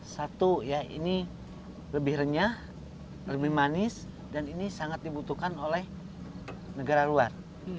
satu ya ini lebih renyah lebih manis dan ini sangat dibutuhkan oleh negara luar